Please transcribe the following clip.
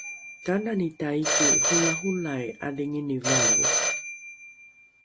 kanani taiki holaholai ’adhingini valro?